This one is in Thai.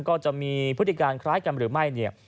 ก็จะมีพฤติการคล้ายกันหรือไม่เนี่ย